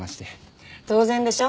当然でしょ。